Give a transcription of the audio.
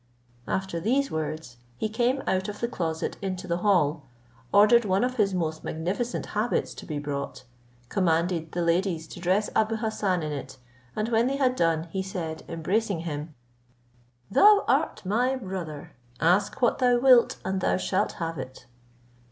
After these words, he came out of the closet into the hall, ordered one of his most magnificent habits to be brought, commanded the ladies to dress Abou Hassan in it, and when they had done, he said, embracing him, "Thou art my brother; ask what thou wilt, and thou shalt have it."